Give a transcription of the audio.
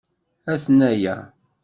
Aten-aya!